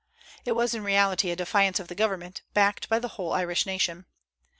It was in reality a defiance of the government, backed by the whole Irish nation.